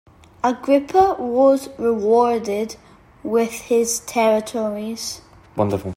Agrippa was rewarded with his territories.